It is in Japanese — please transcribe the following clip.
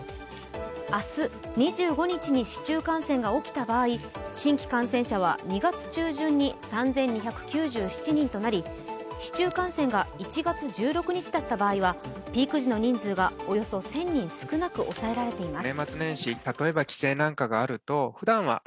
明日２５日に市中感染が起きた場合新規感染者は２月中旬に３２９７人となり市中感染が１月１６日だった場合はピーク時の人数がおよそ１０００人少なく抑えられています。